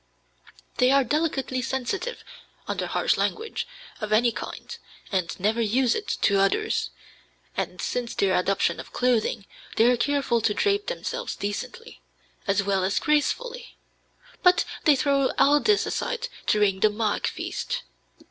They are delicately sensitive under harsh language of any kind, and never use it to others; and since their adoption of clothing they are careful to drape themselves decently, as well as gracefully; but they throw all this aside during the mágh feast.